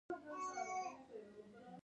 موزیک د ټال چپهچپه ده.